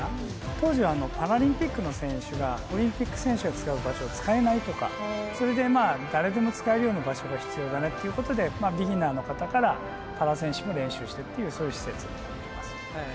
当時はパラリンピックの選手がオリンピック選手が使う場所を使えないとかそれで誰でも使えるような場所が必要だねっていうことでまあビギナーの方からパラ選手も練習してっていうそういう施設になってます。